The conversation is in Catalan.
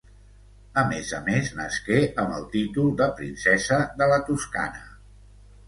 A més a més, nasqué amb el títol de princesa de la Toscana.